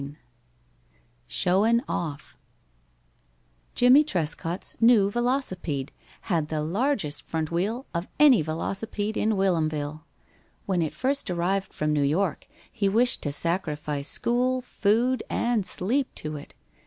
IV "SHOWIN' OFF" Jimmie Trescott's new velocipede had the largest front wheel of any velocipede in Whilomville. When it first arrived from New York he wished to sacrifice school, food, and sleep to it.